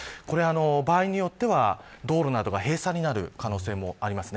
場合によっては道路などが閉鎖になる可能性もありますね。